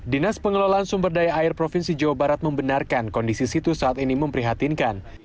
dinas pengelolaan sumber daya air provinsi jawa barat membenarkan kondisi situs saat ini memprihatinkan